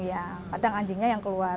iya kadang anjingnya yang keluar